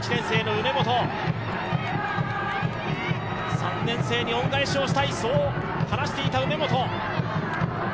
３年生に恩返しをしたいと話していた梅本。